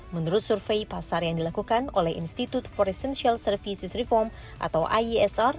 menurut survei pasar yang dilakukan oleh institute for essential services reform atau iesr